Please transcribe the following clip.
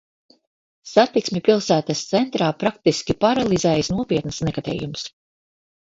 Satiksmi pilsētas centrā praktiski paralizējis nopietns negadījums.